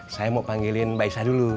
saya mau panggilin bae isah dulu